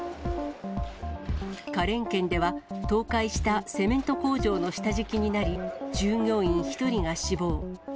花蓮県では、倒壊したセメント工場の下敷きになり、従業員１人が死亡。